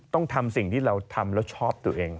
ต้องทำสิ่งที่เราทำแล้วชอบตัวเอง